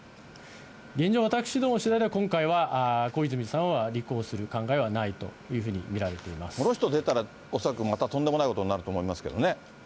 現状、私どもの取材では、今回は小泉さんは立候補する考えはないというこの人出たら、恐らくまたとんでもないことになると思いますけどね。